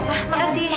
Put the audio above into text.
terima kasih banyak